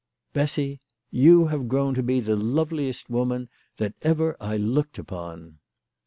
"Bessy, you have grown to be the loveliest woman* that ever I looked upon.".